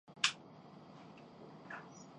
میرے کئی دوست ایسے کرتے ہیں۔